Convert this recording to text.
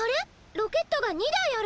ロケットが２だいある！